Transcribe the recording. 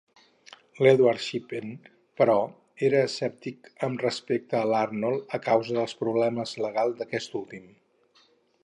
L'Edward Shippen, però, era escèptic amb respecte a l'Arnold a causa dels problemes legals d'aquest últim.